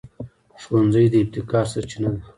ښوونځی د ابتکار سرچینه ده